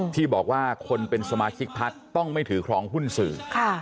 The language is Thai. ที่บอกว่าคนเป็นสมาชิกพักต้องไม่ถือครองหุ้นสื่อ